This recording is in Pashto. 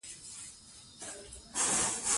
د نجونو تعلیم د سټیج ویره له منځه وړي.